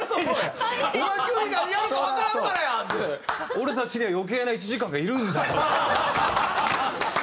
「俺たちには余計な１時間がいるんだよ」。